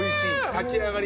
炊き上がり